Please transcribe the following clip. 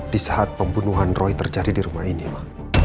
di saat pembunuhan roy terjadi di rumah ini mah